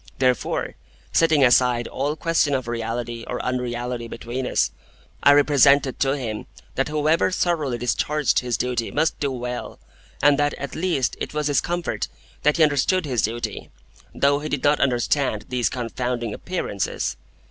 Therefore, setting aside all question of reality or unreality between us, I represented to him that whoever thoroughly discharged his duty must do well, and that at least it was his comfort that he understood his duty, though he did not understand these confounding Appearances.